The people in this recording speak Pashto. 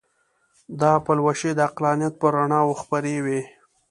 دا پلوشې د عقلانیت پر رڼاوو خپرې وې.